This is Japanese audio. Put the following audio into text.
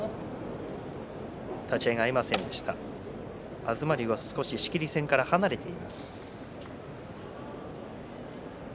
東龍は少し仕切り線から離れています。